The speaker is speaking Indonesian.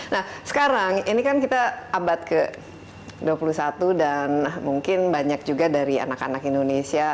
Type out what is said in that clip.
nah sekarang ini kan kita abad ke dua puluh satu dan mungkin banyak juga dari anak anak indonesia